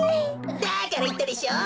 だからいったでしょう。